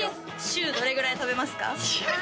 週どれぐらい食べますか？